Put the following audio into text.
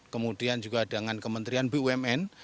kemudian juga dengan kementerian bumn